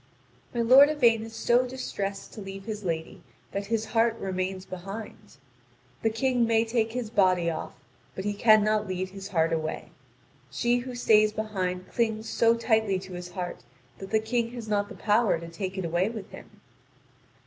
(Vv. 2639 2773.) My lord Yvain is so distressed to leave his lady that his heart remains behind. The King may take his body off, but he cannot lead his heart away. She who stays behind clings so tightly to his heart that the King has not the power to take it away with him.